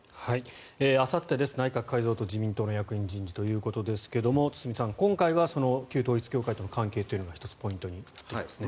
あさってです内閣改造と自民党の役員人事ということですが堤さん、今回は旧統一教会との関係というのが１つ、ポイントになってますね。